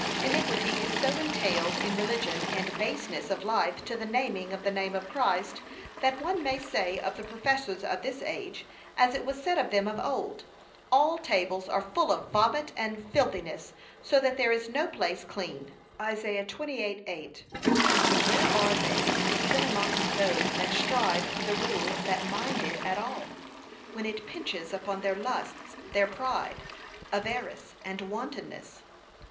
Iniquity is so entailed to religion, and baseness of life to the naming of the name of Christ, that one may say of the professors of this age, as it was said of them of old, 'All tables are full of vomit and filthiness, so that there is no place clean.' (Isa. 28:8) Where are they even amongst those that strive for the rule, that mind it at all, when it pinches upon their lusts, their pride, avarice, and wantonness?